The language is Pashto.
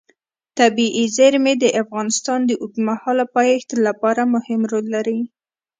طبیعي زیرمې د افغانستان د اوږدمهاله پایښت لپاره مهم رول لري.